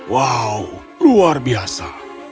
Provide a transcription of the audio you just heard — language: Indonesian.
wow luar biasa